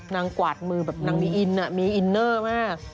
กวาดมือแบบนางมีอินมีอินเนอร์มาก